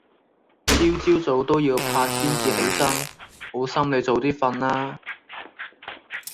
朝朝早都要拍先至起身，好心你早啲瞓啦